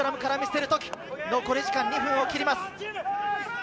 残り時間２分を切ります。